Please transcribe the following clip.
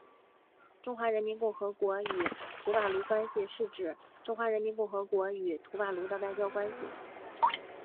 中华人民共和国与图瓦卢关系是指中华人民共和国与图瓦卢的外交关系。